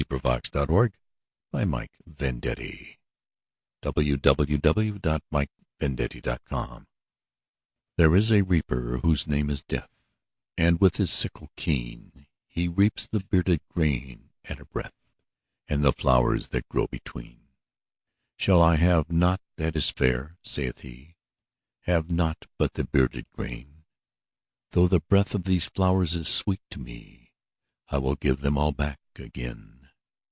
Henry Wadsworth Longfellow The Reaper And The Flowers THERE is a Reaper whose name is Death, And, with his sickle keen, He reaps the bearded grain at a breath, And the flowers that grow between. ``Shall I have nought that is fair?'' saith he; ``Have nought but the bearded grain? Though the breath of these flowers is sweet to me, I will give them all back again.''